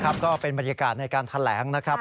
ก็เป็นบรรยากาศในการแถลงนะครับ